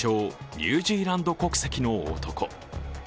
・ニュージーランド国籍の男。